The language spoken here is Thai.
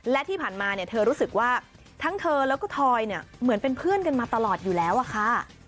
และที่ผ่านมาเนี่ยเธอรู้สึกว่าทั้งเธอแล้วก็ทอยเนี่ยเหมือนเป็นเพื่อนกันมาตลอดอยู่แล้วอะค่ะ